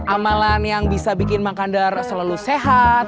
amalan yang bisa bikin makandar selalu sehat